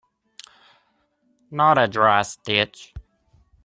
Not a dry stitch.